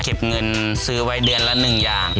เก็บเงินซื้อไว้เดือนละ๑อย่าง